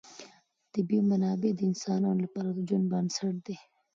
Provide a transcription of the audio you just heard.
طبیعي منابع د انسانانو لپاره د ژوند بنسټ دی.